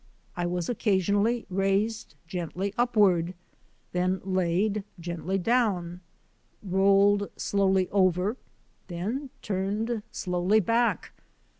I was occasionally raised gently upward, then laid gently down; rolled slowly over, then turned slowly back.